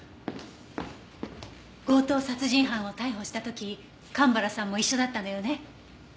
強盗殺人犯を逮捕した時蒲原さんも一緒だったのよね？